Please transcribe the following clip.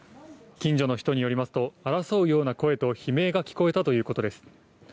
近所の人によりますと、争うような声と悲鳴が聞こえたということです。